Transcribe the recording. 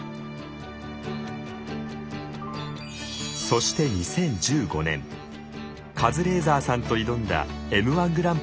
そして２０１５年カズレーザーさんと挑んだＭ−１グランプリの決勝。